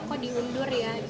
kok diundur ya